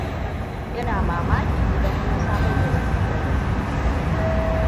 Ina mamakin idan Musa bai da kudi da gaske.